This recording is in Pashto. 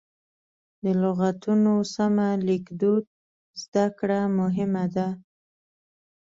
د لغتونو سمه لیکدود زده کړه مهمه ده.